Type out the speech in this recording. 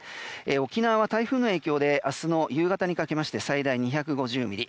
沖縄では、台風の影響で明日の夕方にかけて最大２５０ミリ